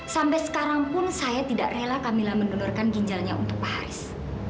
sampai sekarang pun saya tidak rela camilla mendonorkan ginjalnya untuk pak haris